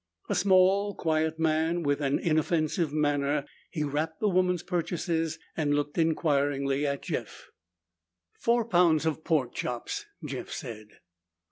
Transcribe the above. A small, quiet man with an inoffensive manner, he wrapped the woman's purchases and looked inquiringly at Jeff. "Four pounds of pork chops," Jeff said.